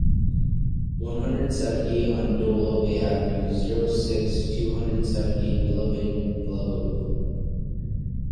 one hundred seventy on du Loubet avenue, zero six, two hundred seventy in Villeneuve-Loubet